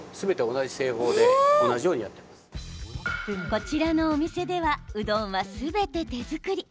こちらのお店ではうどんは、すべて手作り。